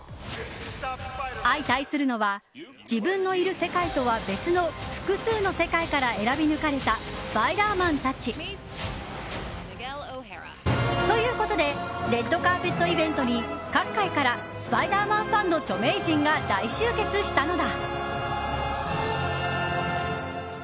相対するのは自分のいる世界とは別の複数の世界から選び抜かれたスパイダーマンたち。ということでレッドカーペットイベントに各界からスパイダーマンファンの著名人が大集結したのだ。